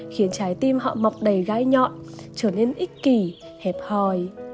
khiến trái tim họ mọc đầy gai nhọn trở nên ích kỳ hẹp hòi